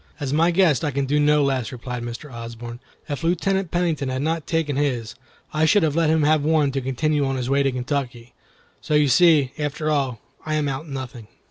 "As my guest, I can do no less," replied Mr. Osborne. "If Lieutenant Pennington had not taken his, I should have let him have one to continue on his way to Kentucky. So you see, after all, I am out nothing."